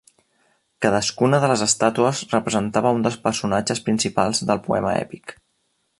Cadascuna de les estàtues representava un dels personatges principals del poema èpic.